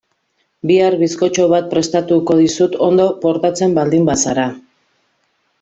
Bihar bizkotxo bat prestatuko dizut ondo portatzen baldin bazara.